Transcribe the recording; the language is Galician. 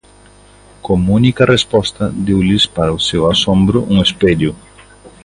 Como única resposta, deulles, para o seu asombro, un espello.